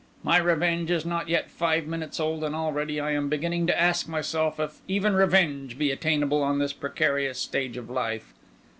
my revenge is not yet five minutes old, and already I am beginning to ask myself if even revenge be attainable on this precarious stage of life.